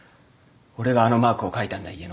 俺があのマークを描いたんだ